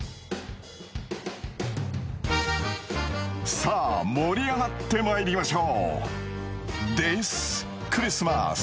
さぁ盛り上がってまいりましょう